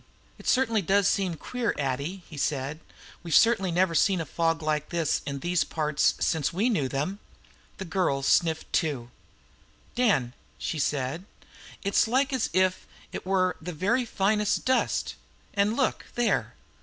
"H'm! It certainly does seem queer, Addie," he said. "We've certainly never had a fog like this in these parts since we knew them." The girl sniffed too. "Dan," she said, "it's like as if it were the very finest dust. And look there!"